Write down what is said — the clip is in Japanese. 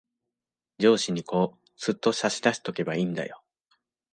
上司にこう、すっと差し出しとけばいんだよ。